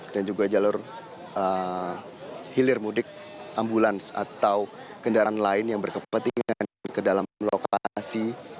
dan juga jalur hilir mudik ambulans atau kendaraan lain yang berkepentingan ke dalam lokasi